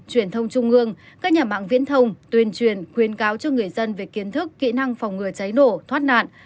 truyền thông trung ương các nhà mạng viễn thông tuyên truyền khuyến cáo cho người dân về kiến thức kỹ năng phòng ngừa cháy nổ thoát nạn